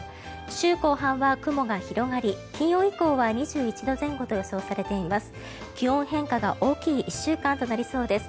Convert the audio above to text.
週後半は雲が広がり金曜以降は２１度前後と予想されています。